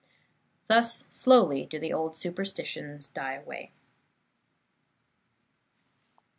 Thus slowly do the old superstitions die away.